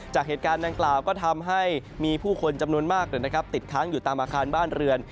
จากเหตุการณ์ดังกล่าวก็ทำให้มีผู้คนจำนวนมากติดค้างอยู่ตามอาคารบ้านเรือน